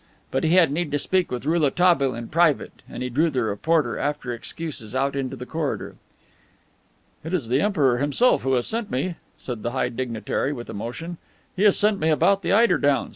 But he had need to speak to Rouletabille in private, and he drew the reporter, after excuses, out into the corridor. "It is the Emperor himself who has sent me," said the high dignitary with emotion. "He has sent me about the eider downs.